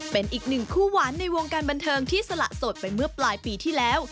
เป็นอีกหนึ่งคู่หวานในวงการบันเทิงที่สละสดไปเมื่อปลายปีที่แล้ว